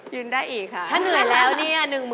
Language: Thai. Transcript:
ได้อีกค่ะถ้าเหนื่อยแล้วเนี่ย